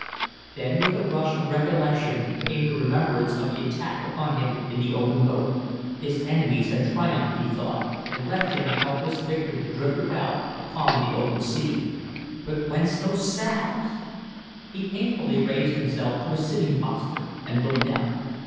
Then with a rush of recollection came the remembrance of the attack upon him in the open boat. His enemies had triumphed, he thought, and left him a helpless victim to drift about upon the open sea. But whence those sounds? He painfully raised himself to a sitting posture and looked out.